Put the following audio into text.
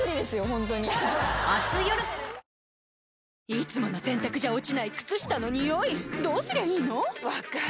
いつもの洗たくじゃ落ちない靴下のニオイどうすりゃいいの⁉分かる。